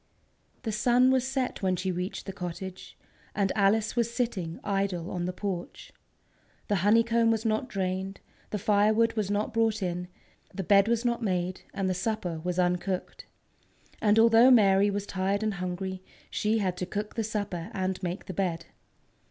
The sun was set when she reached the cottage, and Alice was sitting idle on the porch. The honeycomb was not drained, the firewood was not brought in, the bed was not made, and the supper was uncooked. And although Mary was tired and hungry, she had to cook the supper and make the bed.